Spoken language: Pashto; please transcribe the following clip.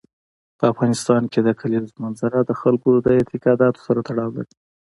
په افغانستان کې د کلیزو منظره د خلکو د اعتقاداتو سره تړاو لري.